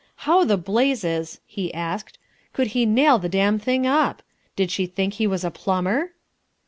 "How the blazes," he asked, "could he nail the damn thing up? Did she think he was a plumber?"